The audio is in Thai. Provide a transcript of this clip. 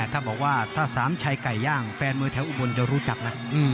ถ้าบอกว่าถ้าสามชัยไก่ย่างแฟนมวยแถวอุบลจะรู้จักนะ